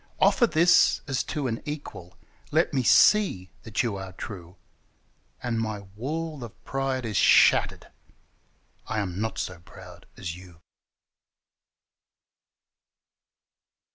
Offer this as to an equal — let me see that you are true, And my wall of pride is shattered: I am not so proud as you!